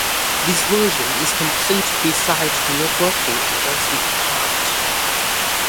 This version is complete beside the networking and joystick part.